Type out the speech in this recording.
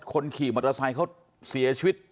คนขี่มอเตอร์ไซค์เขาเสียชีวิต